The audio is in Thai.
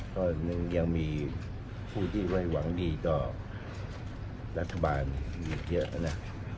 ก็ยังมีผู้ที่ไม่หวังดีต่อรัฐบาลอีกเยอะนะ